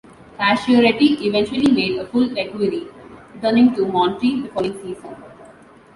Pacioretty eventually made a full recovery, returning to Montreal the following season.